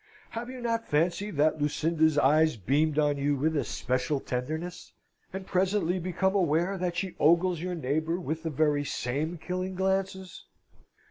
Have you not fancied that Lucinda's eyes beamed on you with a special tenderness, and presently become aware that she ogles your neighbour with the very same killing glances?